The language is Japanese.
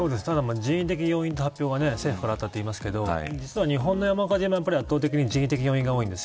ただ、人的要因という発表があったからと言いますが実は日本の山火事も圧倒的に人的要因が多いです。